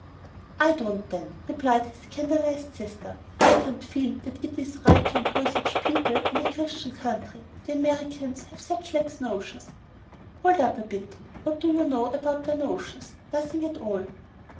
"I don't, then," replied his scandalized sister. "I can't feel that it is right to employ such people in a Christian country. The Americans have such lax notions!" "Hold up a bit! What do you know about their notions? Nothing at all."